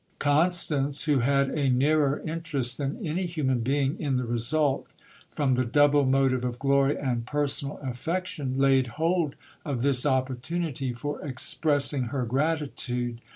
Constance, who had a nearer interest than any human being in the result, from the double motive of glory and personal affection, laid hold of this opportunity for expressing her gratitude.